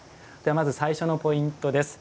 まず最初のポイントです。